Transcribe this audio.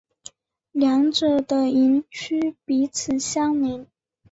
两者的营区彼此相邻。